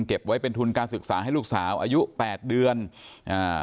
เก็บไว้เป็นทุนการศึกษาให้ลูกสาวอายุแปดเดือนอ่า